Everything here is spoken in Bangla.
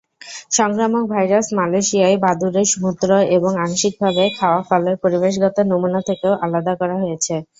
সংক্রামক ভাইরাস মালয়েশিয়ায় বাদুড়ের মূত্র এবং আংশিকভাবে খাওয়া ফলের পরিবেশগত নমুনা থেকেও আলাদা করা হয়েছে।